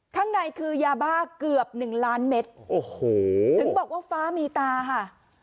ข้างในคือยาบ้าเกือบ๑ล้านเม็ดถึงบอกว่าฟ้ามีตาฮะ